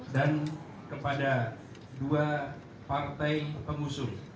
dan kepada dua partai pengusung